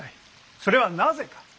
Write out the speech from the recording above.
それはなぜか？